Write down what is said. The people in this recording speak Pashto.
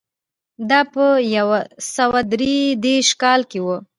دا په یو سوه درې دېرش کال کې و